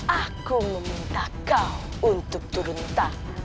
aku meminta kau untuk turun tangan